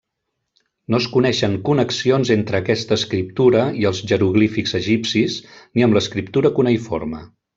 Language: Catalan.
No es coneixen connexions entre aquesta escriptura i els jeroglífics egipcis, ni amb l'escriptura cuneïforme.